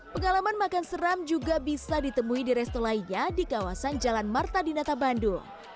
pengalaman makan seram juga bisa ditemui di resto lainnya di kawasan jalan marta dinata bandung